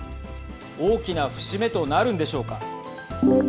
大きな節目となるのでしょうか。